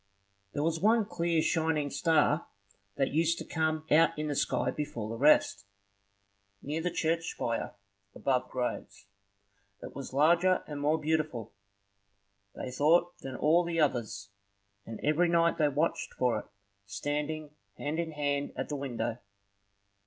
There was one clear shining star that used to come out in the sky before the rest, near the church spire, above the graves. It was larger and more beautiful, they thought, than all the others, and every night they watched for it, standing hand in hand at the window.